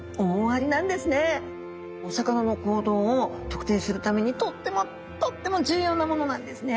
お魚の行動を特定するためにとってもとっても重要なものなんですね。